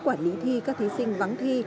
quản lý thi các thí sinh vắng thi